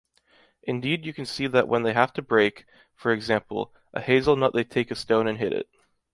Indeed you can see that when they have to break, for example, a hazelnut they take a stone and hit it.